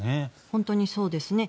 本当にそうですね。